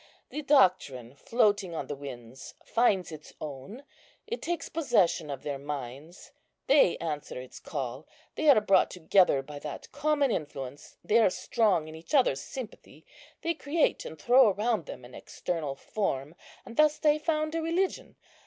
The doctrine, floating on the winds, finds its own; it takes possession of their minds; they answer its call; they are brought together by that common influence; they are strong in each other's sympathy; they create and throw around them an external form, and thus they found a religion.